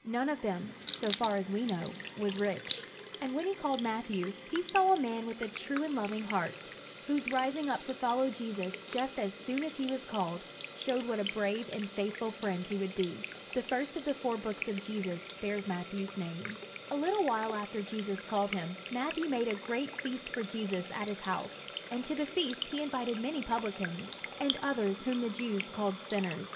None of them, so far as we know, was rich. And when he called Matthew he saw a man with a true and loving heart, whose rising up to follow Jesus just as soon as he was called showed what a brave and faithful friend he would be. The first of the four books about Jesus bears Matthew's name. A little while after Jesus called him, Matthew made a great feast for Jesus at his house; and to the feast he invited many publicans, and others whom the Jews called sinners.